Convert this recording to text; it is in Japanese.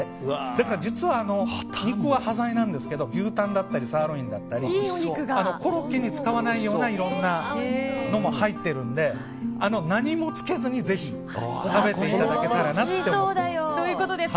だから実は、端材なんですけど牛タンやサーロインなどコロッケに使わないようないろんなのも入ってるので何もつけずにぜひ食べていただけたらと思います。